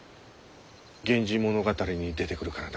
「源氏物語」に出てくるからだ。